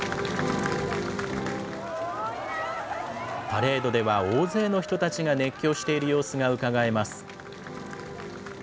パレードでは大勢の人たちが熱狂している様子がうかがえます。